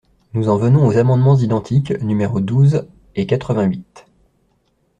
Nous en venons aux amendements identiques numéros douze et quatre-vingt-huit.